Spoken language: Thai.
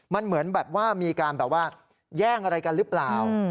มันเหมือนแบบว่ามีการแบบว่าแย่งอะไรกันหรือเปล่า